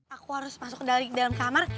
aku harus masuk ke dalam kamar